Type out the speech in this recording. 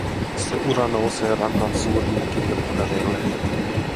Se ura nousee rannan suurille kivilohkareille.